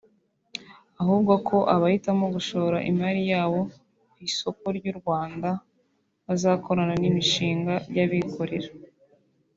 ahubwo ko abahitamo gushora imari yabo ku isoko ry’u Rwanda bazakorana n’imishinga y’abikorera